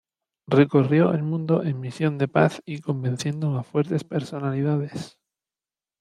Recorrió el mundo en misión de paz y convenciendo a fuertes personalidades.